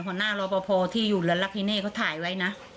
หัวหน้ารอปภที่อยู่ละละคิเน่เขาถ่ายไว้นะ